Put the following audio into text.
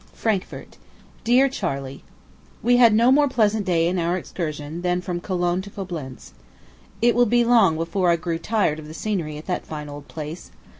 FRANKFORT. DEAR CHARLEY: We had no more pleasant day in our excursion than from Cologne to Coblentz. It would be long before I grew tired of the scenery at that fine old place.